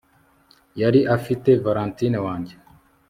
Yari afite Valentine wanjye